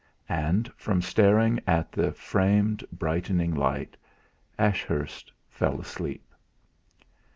And, from staring at the framed brightening light, Ashurst fell asleep.